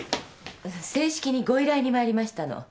正式にご依頼に参りましたの。